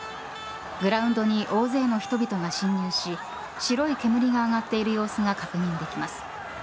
グラウンドに大勢の人々が侵入し白い煙が上がっている様子が確認できます。